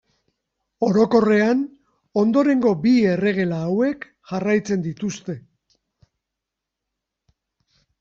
Orokorrean ondorengo bi erregela hauek jarraitzen dituzte.